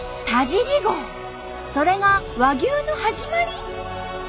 それが和牛の始まり？